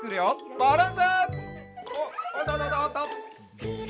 バランス！